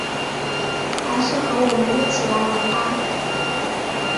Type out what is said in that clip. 还是和我们一起来玩吧